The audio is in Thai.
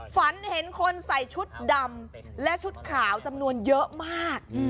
ฝันเห็นคนใส่ชุดดำและชุดขาวจำนวนเยอะมาก